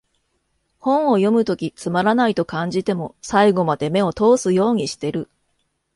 本を読むときつまらないと感じても、最後まで目を通すようにしてる